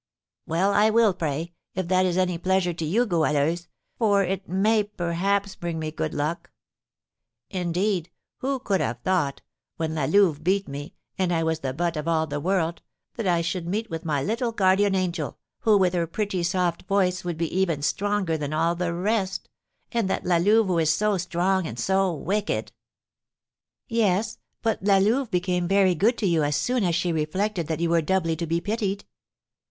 "Well, I will pray, if that is any pleasure to you, Goualeuse, for it may perhaps bring me good luck. Indeed, who could have thought, when La Louve beat me, and I was the butt of all the world, that I should meet with my little guardian angel, who with her pretty soft voice would be even stronger than all the rest, and that La Louve who is so strong and so wicked " "Yes, but La Louve became very good to you as soon as she reflected that you were doubly to be pitied."